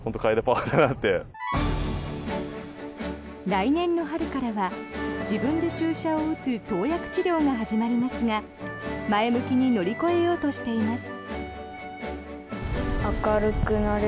来年の春からは自分で注射を打つ投薬治療が始まりますが前向きに乗り越えようとしています。